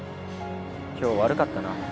今日悪かったな。